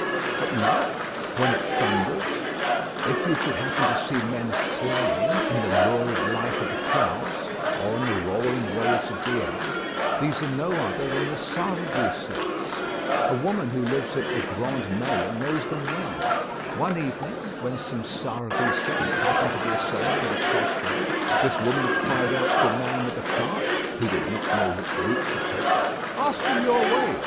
At night, when it thunders, if you should happen to see men flying in the lurid light of the clouds, or on the rolling waves of the air, these are no other than the Sarregousets. A woman who lives at the Grand Mielles knows them well. One evening, when some Sarregousets happened to be assembled at a crossroad, this woman cried out to a man with a cart, who did not know which route to take, "Ask them your way.